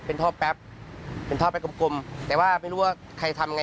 เป็นท่อแป๊บเป็นท่อแป๊บกลมแต่ว่าไม่รู้ว่าใครทำยังไง